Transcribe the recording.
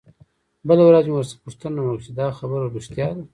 بله ورځ مې ورڅخه پوښتنه وکړه چې دا خبره رښتيا ده.